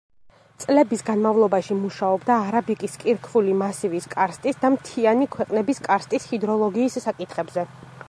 წლების განმავლობაში მუშაობდა არაბიკის კირქვული მასივის კარსტის და მთიანი ქვეყნების კარსტის ჰიდროლოგიის საკითხებზე.